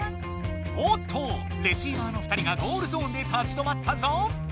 おっとレシーバーの２人がゴールゾーンで立ち止まったぞ！